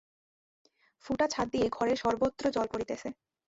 ফুটা ছাদ দিয়া ঘরের সর্বত্র জল পড়িতেছে।